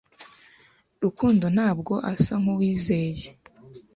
Rukundo ntabwo asa nkuwizeye.